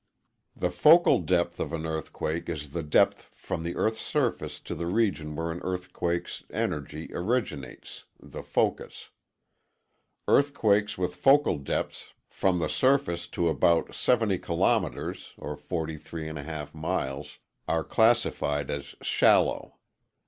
] The focal depth of an earthquake is the depth from the EarthŌĆÖs surface to the region where an earthquakeŌĆÖs energy originates (the focus). Earthquakes with focal depths from the surface to about 70 kilometers (43.5 miles) are classified as shallow.